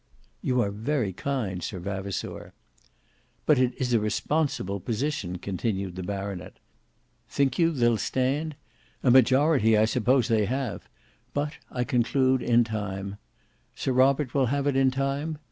"You are very kind, Sir Vavasour." "But it is a responsible position," continued the baronet. "Think you they'll stand? A majority. I suppose, they have; but, I conclude, in time; Sir Robert will have it in time?